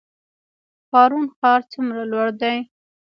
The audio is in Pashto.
پارون ښار څومره لوړ دی؟